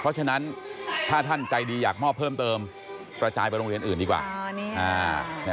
เพราะฉะนั้นถ้าท่านใจดีอยากมอบเพิ่มเติมกระจายไปโรงเรียนอื่นดีกว่า